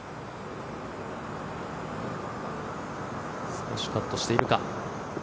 少しカットしているか。